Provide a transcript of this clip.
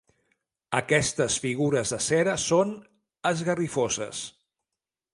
Aquestes figures de cera són esgarrifoses.